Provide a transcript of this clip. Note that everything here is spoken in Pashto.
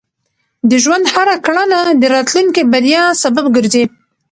د ژوند هره کړنه د راتلونکي بریا سبب ګرځي.